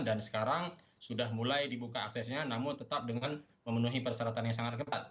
dan sekarang sudah mulai dibuka aksesnya namun tetap dengan memenuhi persyaratannya sangat cepat